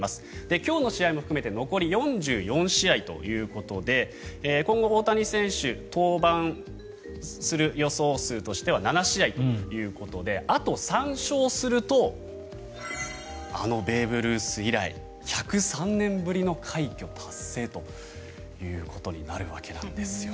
今日の試合も含めて残り４４試合ということで今後、大谷選手登板する予想数としては７試合ということであと３勝するとあのベーブ・ルース以来１０３年ぶりの快挙達成ということになるわけなんですよ。